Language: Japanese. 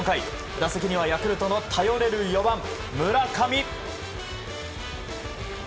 打席にはヤクルトの頼れる４番、村上。